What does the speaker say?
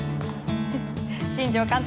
新庄監督